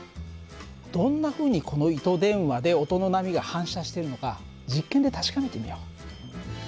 どんなふうにこの糸電話で音の波が反射してるのか実験で確かめてみよう。